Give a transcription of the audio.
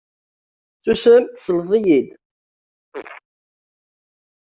Susem tesleḍ-iyi-d.